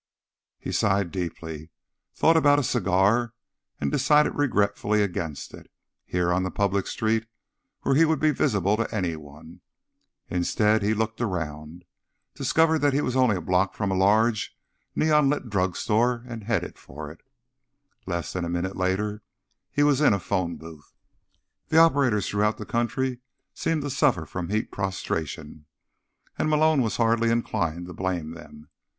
He sighed deeply, thought about a cigar and decided regretfully against it, here on the public street where he would be visible to anyone. Instead, he looked around him, discovered that he was only a block from a large, neon lit drugstore and headed for it. Less than a minute later he was in a phone booth. The operators throughout the country seemed to suffer from heat prostration, and Malone was hardly inclined to blame them.